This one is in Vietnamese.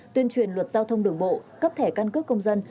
tuyên truyền luật giao thông đường bộ cấp thẻ căn cước công dân